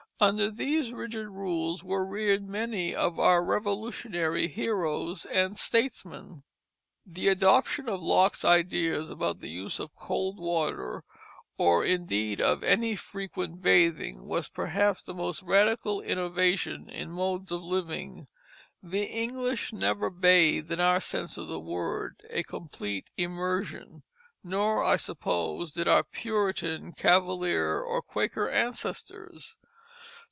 Under these rigid rules were reared many of our Revolutionary heroes and statesmen. [Illustration: De Peyster Twins] The adoption of Locke's ideas about the use of cold water, or indeed of any frequent bathing, was perhaps the most radical innovation in modes of living. The English never bathed, in our sense of the word, a complete immersion, nor, I suppose, did our Puritan, Cavalier, or Quaker ancestors.